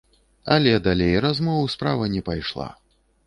Але далей размоў справа не пайшла.